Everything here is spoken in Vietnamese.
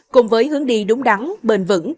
cùng với hướng đi đúng đắn bền vững